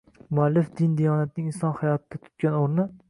muallif din-diyonatning inson hayotida tutgan o‘rni